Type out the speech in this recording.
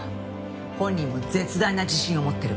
本人も絶大な自信を持ってる。